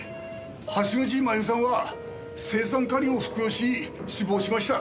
橋口まゆみさんは青酸カリを服用し死亡しました。